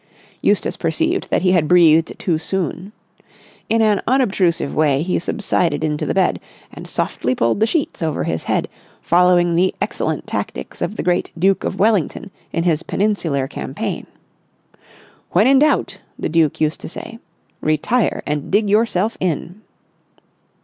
Eustace perceived that he had breathed too soon. In an unobtrusive way he subsided into the bed and softly pulled the sheets over his head, following the excellent tactics of the great Duke of Wellington in his Peninsular campaign. "When in doubt," the Duke used to say, "retire and dig yourself in."